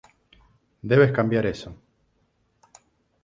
Debes cambiar eso".